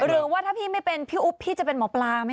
หรือว่าถ้าพี่ไม่เป็นพี่อุ๊บพี่จะเป็นหมอปลาไหมค